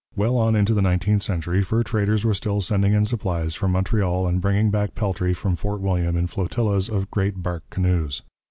Well on into the nineteenth century fur traders were still sending in supplies from Montreal and bringing back peltry from Fort William in flotillas of great bark canoes.